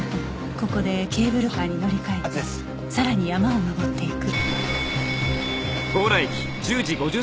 ここでケーブルカーに乗り換えてさらに山を登っていく